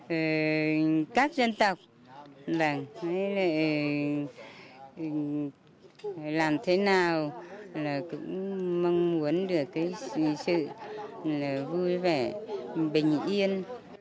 với các dân tộc làm thế nào là cũng mong muốn được cái sự vui vẻ bình yên